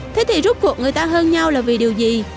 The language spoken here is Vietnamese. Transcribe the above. thế thì rút cuộc người ta hơn nhau là vì điều gì